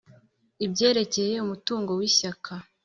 Ibyerekeye umutungo w Ishyaka